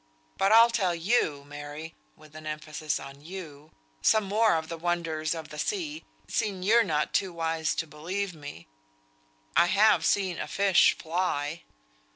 But I'll tell you, Mary," with an emphasis on you, "some more of the wonders of the sea, sin' you're not too wise to believe me. I have seen a fish fly."